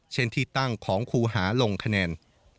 ที่ตั้งของครูหาลงคะแนน